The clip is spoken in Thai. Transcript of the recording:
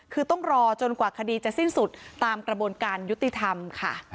คือต้องรอจนกว่าคดีจะสิ้นสุดตามกระบวนการยุติธรรมค่ะ